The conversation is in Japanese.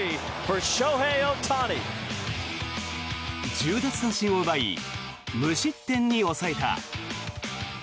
１０奪三振を奪い無失点に抑えた。